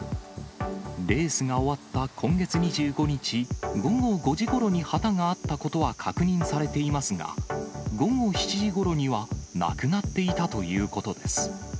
レースが終わった今月２５日午後５時ごろに旗があったことは確認されていますが、午後７時ごろにはなくなっていたということです。